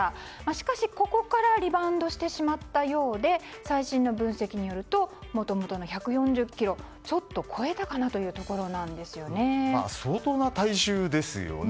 しかし、ここからリバウンドしてしまったようで最新の分析によるともともとの１４０ｋｇちょっと超えたかな相当な体重ですよね。